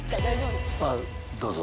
どうぞ。